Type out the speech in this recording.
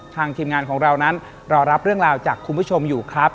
ทีมงานของเรานั้นรอรับเรื่องราวจากคุณผู้ชมอยู่ครับ